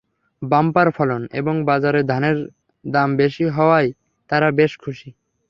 Bumper ফলন এবং বাজারে ধানের দাম বেশি হওয়ায় তাঁরা বেশ খুশি।